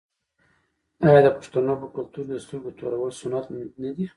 آیا د پښتنو په کلتور کې د سترګو تورول سنت نه دي؟